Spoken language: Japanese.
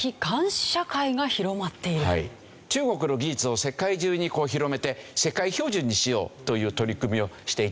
中国の技術を世界中に広めて世界標準にしようという取り組みをしていてですね